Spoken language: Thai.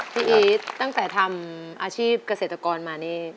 อีทตั้งแต่ทำอาชีพเกษตรกรมานี่